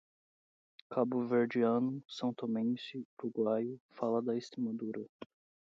cabo-verdiano, são-tomense, uruguaio, fala da Estremadura